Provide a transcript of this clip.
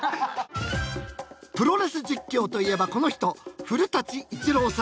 プロレス実況といえばこの人古伊知郎さん。